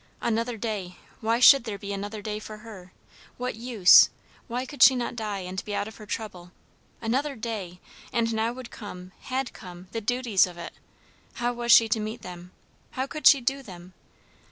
Another day! Why should there be another day for her? what use? why could she not die and be out of her trouble? Another day! and now would come, had come, the duties of it; how was she to meet them? how could she do them?